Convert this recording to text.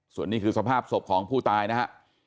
ส่วนนี้คือสภาพศพของผู้ตายนะฮะ